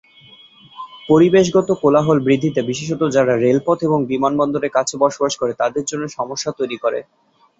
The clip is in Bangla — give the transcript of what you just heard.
পরিবেশগত কোলাহল বৃদ্ধিতে, বিশেষত যারা রেলপথ এবং বিমানবন্দরের কাছে বসবাস করে তাদের জন্য সমস্যা তৈরি করে।